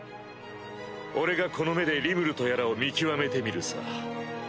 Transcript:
俺がこの目でリムルとやらを見極めてみるさ。